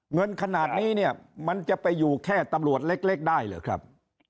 เงินขนาดนี้เนี่ยมันจะไปอยู่แค่ตำรวจเล็กได้หรือครับ